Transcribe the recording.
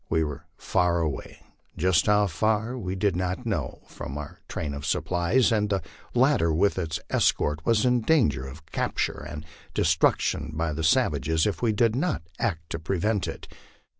We were far away jus* how far we did not know from our train of supplies, and the latter with its escort was in danger of capture and destruction by the savages if we did not act to prevent it.